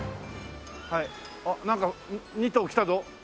あっなんか２頭来たぞ。